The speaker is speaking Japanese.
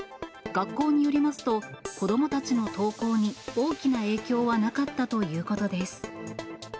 学校によりますと、子どもたちの登校に大きな影響はなかったということです。